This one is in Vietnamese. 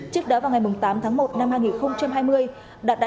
trước đó vào ngày tám tháng một năm hai nghìn hai mươi đạt